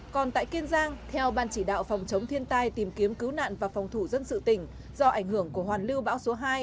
còn tại kiên giang theo ban chỉ đạo phòng chống thiên tai tìm kiếm cứu nạn và phòng thủ dân sự tỉnh do ảnh hưởng của hoàn lưu bão số hai